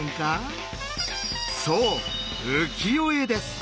そう「浮世絵」です。